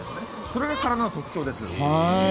それが殻の特徴です。